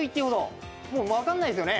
もうわかんないですよね？